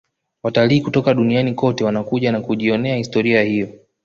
watalii kutoka duniani kote wanakuja na kujionea historia hiyo